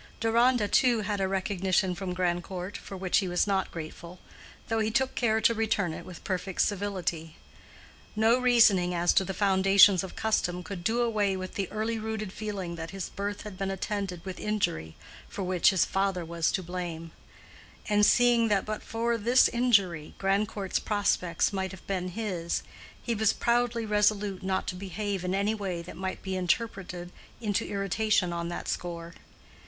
Deronda, too, had a recognition from Grandcourt, for which he was not grateful, though he took care to return it with perfect civility. No reasoning as to the foundations of custom could do away with the early rooted feeling that his birth had been attended with injury for which his father was to blame; and seeing that but for this injury Grandcourt's prospects might have been his, he was proudly resolute not to behave in any way that might be interpreted into irritation on that score.